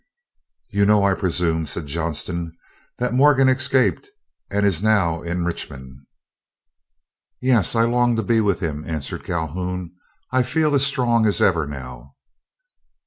"You know, I presume," said Johnston, "that Morgan escaped, and is now in Richmond." "Yes, I long to be with him," answered Calhoun. "I feel as strong as ever now."